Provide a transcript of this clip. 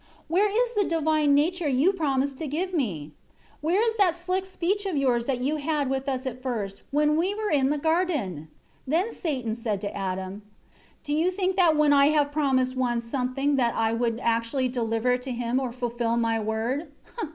4 Where is the divine nature you promised to give me? Where is that slick speech of yours that you had with us at first, when we were in the garden?" 5 Then Satan said to Adam, "Do you think that when I have promised one something that I would actually deliver it to him or fulfil my word?